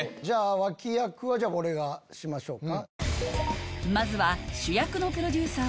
脇役は俺がしましょうか。